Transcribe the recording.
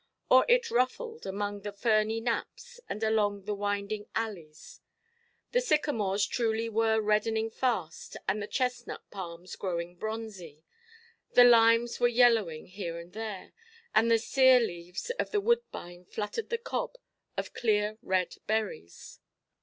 Or it ruffled, among the ferny knaps, and along the winding alleys. The sycamores truly were reddening fast, and the chestnut palms growing bronzy; the limes were yellowing here and there, and the sere leaves of the woodbine fluttered the cob of clear red berries.